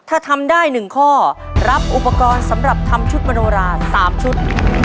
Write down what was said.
ถ้าทำได้๑ข้อรับอุปกรณ์สำหรับทำชุดมโนรา๓ชุด